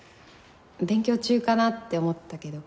勉強中かなって思ったけど。